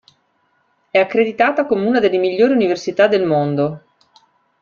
È accreditata come una delle migliori università del mondo.